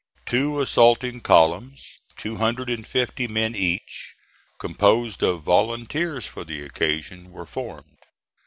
Two assaulting columns, two hundred and fifty men each, composed of volunteers for the occasion, were formed.